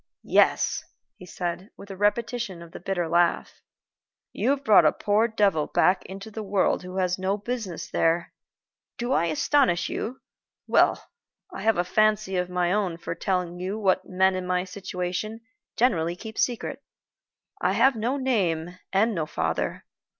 "Yes," he said, with a repetition of the bitter laugh. "You have brought a poor devil back into the world who has no business there. Do I astonish you? Well, I have a fancy of my own for telling you what men in my situation generally keep a secret. I have no name and no father.